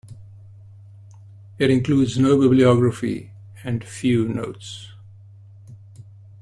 It includes no bibliography, and few notes.